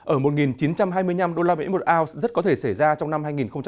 ở một chín trăm hai mươi năm usd một ounce rất có thể xảy ra trong năm hai nghìn hai mươi